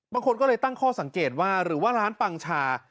บางคนก็เลยตั้งข้อสังเกตว่าหรือว่าร้านปังชา